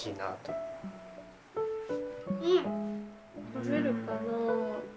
食べるかなあ。